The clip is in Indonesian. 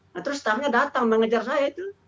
nah terus staffnya datang mengejar saya itu